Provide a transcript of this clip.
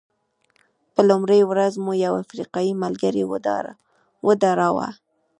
په لومړۍ ورځ مو یو افریقایي ملګری ودراوه.